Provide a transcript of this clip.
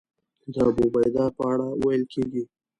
د ابوعبیده په اړه ویل کېږي.